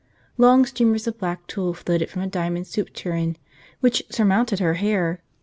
Long streamers of black tulle floated from a diamond soup tureen which surmounted her hair.